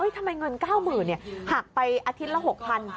ทำไมเงิน๙๐๐หักไปอาทิตย์ละ๖๐๐บาท